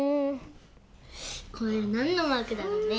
これなんのマークだろうね？